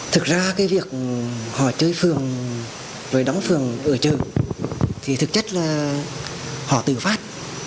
thực ra cái việc họ chơi phường và đóng phường ở trường thì thực chất là họ tử phát